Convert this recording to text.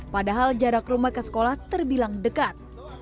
padahal jarak rumah ke sekolah terbilang dekat